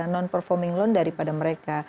non performing loan daripada mereka